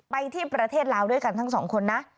ไปที่ประเทศลาวด้วยกันทั้งสองคนนะ